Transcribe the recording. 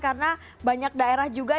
karena banyak daerah juga